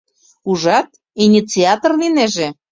Ужат, инициатор лийнеже.